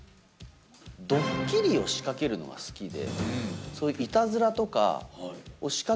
ドッキリを仕掛けるのが好きで。